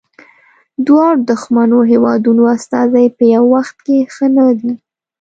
دواړو دښمنو هیوادونو استازي په یوه وخت کې ښه نه دي.